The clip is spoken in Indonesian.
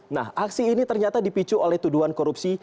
nah aksi ini ternyata dipicu oleh tuduhan korupsi